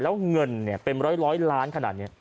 แล้วเงินเป็นร้อยล้านขนาดนี้